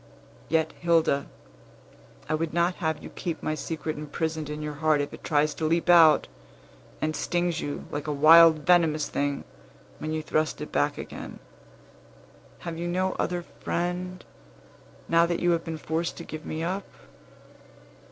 Yet, Hilda, I would not have you keep my secret imprisoned in your heart if it tries to leap out, and stings you, like a wild, venomous thing, when you thrust it back again. Have you no other friend, now that you have been forced to give me up?"